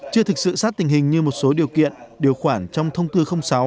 chưa thực sự sát tình hình như một số điều kiện điều khoản trong thông tư sáu